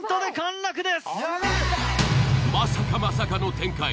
まさかまさかの展開！